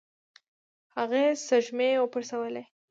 هغې سږمې وپړسولې.